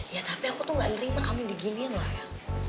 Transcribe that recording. ya tapi aku tuh gak nerima kamu diginian lah ya